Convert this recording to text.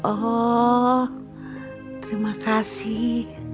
oh terima kasih